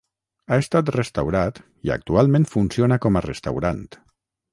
Ha estat restaurat i actualment funciona com a restaurant.